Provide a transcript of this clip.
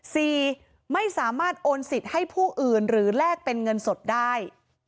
ไม่สามารถโอนสิทธิ์ให้ผู้อื่นหรือแลกเป็นเงินสดได้